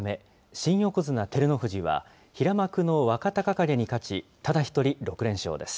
新横綱・照ノ富士は平幕の若隆景に勝ち、ただ一人６連勝です。